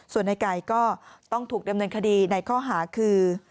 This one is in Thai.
ส่วนในไก่ก็ต้องถูกดำเนินคดีในข้อหาคือ